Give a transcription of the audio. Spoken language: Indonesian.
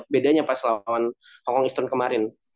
bedanya pas lawan hongkong eastern kemarin